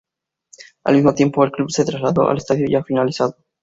Al mismo tiempo, el club se trasladó al estadio ya finalizado.